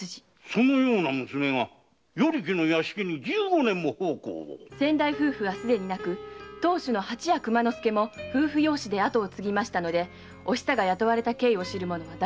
そのような娘が与力の屋敷に十五年も奉公を⁉先代夫婦は既に亡く当主の蜂屋熊之助も夫婦養子で跡を継いだのでお久が雇われた経緯を知る者は誰もおりません。